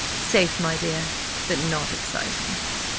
Safe, my dear, but not exciting."